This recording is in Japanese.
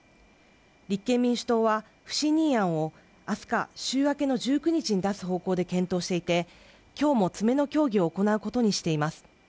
立憲民主党は、不信任案を明日か週明けの１９日に出す方向で検討していて今日も詰めの協議を行うことにしています。